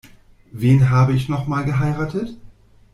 Wen habe ich noch mal geheiratet?